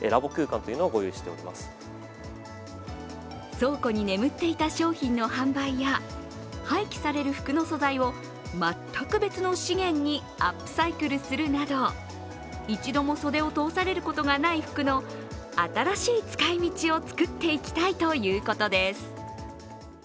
倉庫に眠っていた商品の販売や廃棄される服の素材を全く別の資源にアップサイクルするなど一度も袖を通されることがない服の新しい使い道を作っていきたいということです。